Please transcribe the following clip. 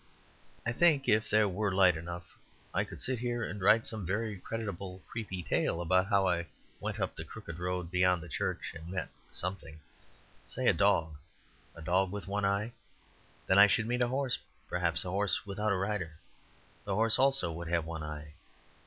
I think, if there were light enough, I could sit here and write some very creditable creepy tale, about how I went up the crooked road beyond the church and met Something say a dog, a dog with one eye. Then I should meet a horse, perhaps, a horse without a rider, the horse also would have one eye.